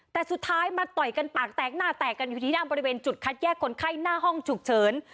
แต่สุดท้ายมาต่อยกันปากแตกหน้าแตกกันอยู่ที่หน้าบริเวณจุดคัดแยกคนไข้หน้าห้องฉุกเฉิน